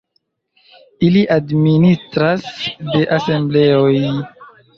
Ili administras de asembleoj.